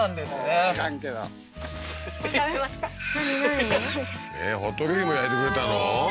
えっホットケーキも焼いてくれたの？